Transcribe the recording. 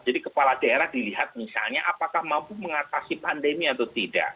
jadi kepala daerah dilihat misalnya apakah mampu mengatasi pandemi atau tidak